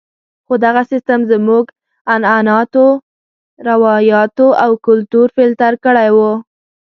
خو دغه سیستم زموږ عنعناتو، روایاتو او کلتور فلتر کړی وو.